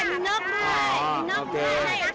เป็นปลื้มเป็นปลื้ม